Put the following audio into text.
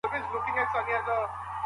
دولتي روغتونونه ولي ګڼه ګوڼه لري؟